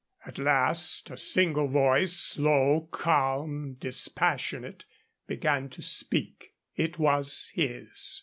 At last a single voice, slow, calm, dispassionate, began to speak; it was his.